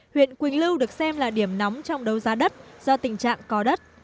huyện quỳnh lưu được xem là điểm nóng trong đấu giá đất do tình trạng có đất